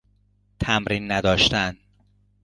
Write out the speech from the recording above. تمرین نداشتن